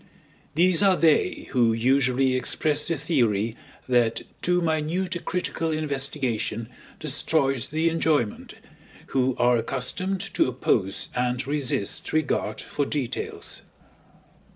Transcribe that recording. These are they who usually express the theory that too minute a critical investigation destroys the enjoyment, who are accustomed to oppose and resist regard for details.